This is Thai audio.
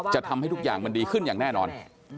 จะทำให้ทุกอย่างมันดีขึ้นอย่างแน่นอน